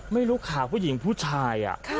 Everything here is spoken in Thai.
ไม่รู้ค่ะผู้หญิงผู้ชาย